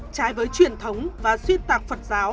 trái với truyền thống và xuyên tạc phật giáo